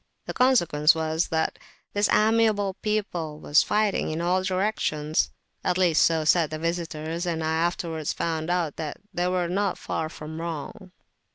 The consequence was, that this amiable people was fighting in all directions. At least so said the visitors, and I afterwards found out that they were not far wrong.